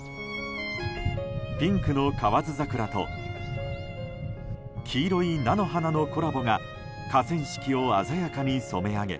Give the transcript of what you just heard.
ピンクの河津桜と黄色い菜の花のコラボが河川敷を鮮やかに染め上げ